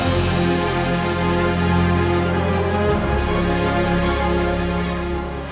kamu juga itu